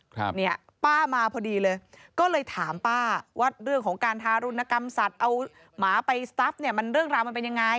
ครับเนี่ยป้ามาพอดีเลยก็เลยถามป้าว่าเรื่องของการทารุณกรรมสัตว์เอาหมาไปสตั๊บเนี่ยมันเรื่องราวมันเป็นยังไง